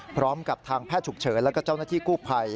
พร้อมกับทางแพทย์ฉุกเฉินแล้วก็เจ้าหน้าที่กู้ภัย